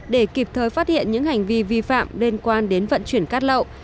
để kịp thời phát hiện những hành vi vi phạm liên quan đến vận chuyển cát lậu